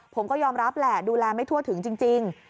ผมก็ยอมรับแหละดูแลไม่ทั่วถึงจริง